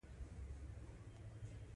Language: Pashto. د غنمو دانه د ژوند اصلي اړتیا ده.